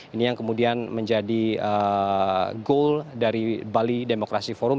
ini yang kemudian menjadi goal dari bali demokrasi forum